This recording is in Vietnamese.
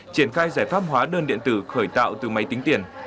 triển khai giải pháp hóa đơn điện tử khởi tạo từ máy tính tiền